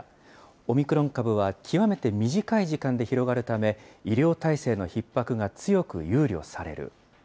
オミクロン株は、極めて短い時間で広がるため、医療体制のひっ迫が強く憂慮される。